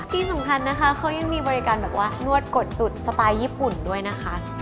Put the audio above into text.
ที่สำคัญนะคะเขายังมีบริการแบบว่านวดกดจุดสไตล์ญี่ปุ่นด้วยนะคะ